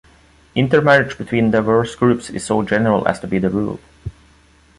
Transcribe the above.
Intermarriage between diverse groups is so general as to be the rule.